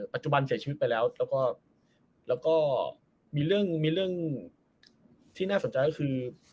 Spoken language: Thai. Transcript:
ปัจจุบันเสียชีวิตไปแล้วแล้วก็มีเรื่องที่น่าสนใจก็คือ